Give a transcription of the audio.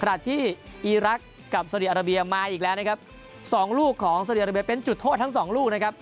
ขณะที่อีรักษ์กับซาดีอาราเบียมาอีกแล้วนะครับสองลูกของซาเดียราเบียเป็นจุดโทษทั้งสองลูกนะครับ